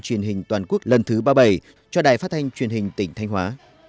truyền hình toàn quốc lần thứ ba mươi bảy cho đài phát thanh truyền hình tỉnh thanh hóa